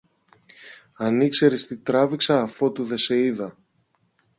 Αν ήξερες τι τράβηξα αφότου δε σε είδα!